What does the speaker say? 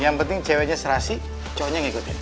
yang penting ceweknya serasi cowoknya ngikutin